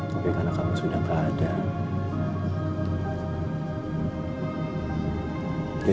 tapi karena kamu sudah gak ada